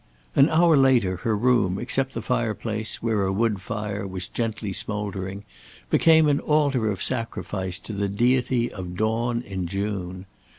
An hour later her room, except the fireplace, where a wood fire was gently smouldering, became an altar of sacrifice to the Deity of Dawn in June.